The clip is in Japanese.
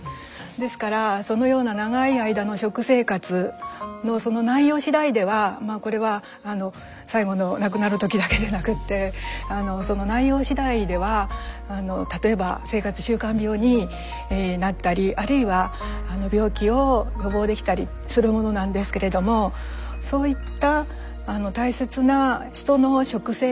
ですからそのような長い間の食生活のその内容しだいではこれは最期の亡くなる時だけでなくってその内容しだいでは例えば生活習慣病になったりあるいは病気を予防できたりするものなんですけれどもそういった大切な人の食生活に携わる。